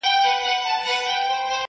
له مړاني څخه خلاص قام د کارګانو!.